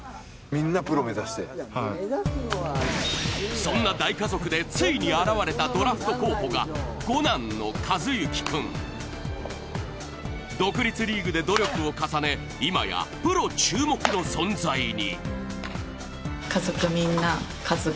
そんな大家族で、ついにあらわれたドラフト候補が５男の寿志君独立リーグで努力を重ね、今やプロ注目の存在に。